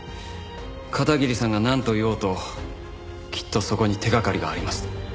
片桐さんがなんと言おうときっとそこに手掛かりがあります。